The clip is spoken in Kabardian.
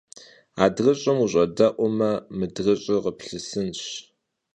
Adrış'ım vuş'edeume, mıdrış'ır khıplhısınş.